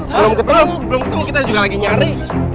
belum ketemu belum ketemu kita juga lagi nyari